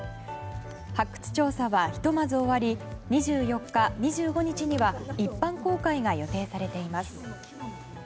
発掘調査はひとまず終わり２４日、２５日には一般公開が予定されています。